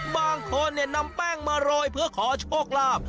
บางคนนำแป้งมาโรยเพื่อขอโชคลาภ